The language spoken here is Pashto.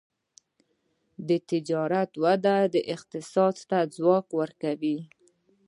د تجارت وده اقتصاد ته ځواک ورکوي.